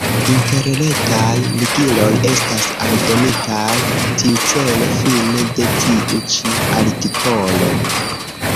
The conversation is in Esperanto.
Interretaj ligiloj estas aldonitaj tiucele fine de tiu ĉi artikolo.